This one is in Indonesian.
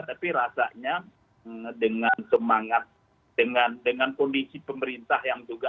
tapi rasanya dengan semangat dengan kondisi pemerintah yang juga